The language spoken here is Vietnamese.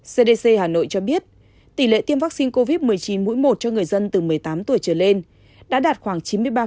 cdc hà nội cho biết tỷ lệ tiêm vaccine covid một mươi chín mũi một cho người dân từ một mươi tám tuổi trở lên đã đạt khoảng chín mươi ba